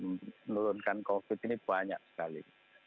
menurunkan covid ini banyak sekali